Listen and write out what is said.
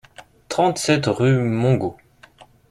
trente-sept rue Mongauld